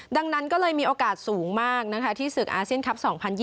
ดังนั้นก็เลยมีโอกาสสูงมากนะคะที่ศึกอาเซียนคลับ๒๐๒๐